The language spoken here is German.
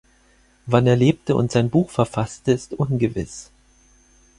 Wann er lebte und sein Buch verfasste, ist ungewiss.